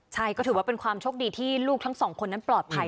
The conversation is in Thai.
ใช่ก็ถือว่าเป็นความโชคดีที่ลูกทั้งสองคนนั้นปลอดภัย